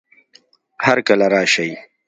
هر کله راشئ